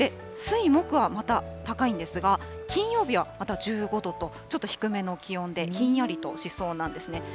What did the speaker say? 水、木はまた高いんですが、金曜日はまた１５度と、ちょっと低めの気温で、ひんやりとしそうなんですね。